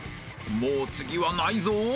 もう次はないぞ！